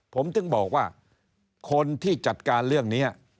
ผมถึงบอกว่าคนที่จัดการเรื่องนี้